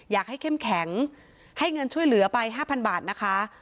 อยากให้เข้มแข็งให้เงินช่วยเหลือไปห้าพันบาทนะคะ